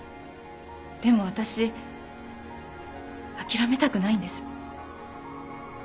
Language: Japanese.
でも私諦めたくないんです。